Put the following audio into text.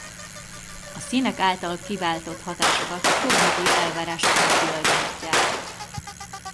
A színek által kiváltott hatásokat a kognitív elvárásoknak tulajdonítják.